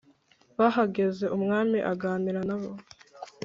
Bahageze umwami aganira na bo